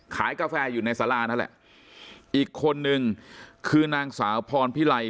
กาแฟอยู่ในสารานั่นแหละอีกคนนึงคือนางสาวพรพิไล